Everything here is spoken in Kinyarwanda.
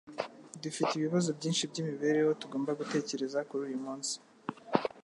Dufite ibibazo byinshi byimibereho tugomba gutekereza kuri uyumunsi.